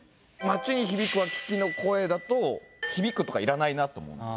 「街にひびくはキキの声」だと「ひびく」とかいらないなと思う。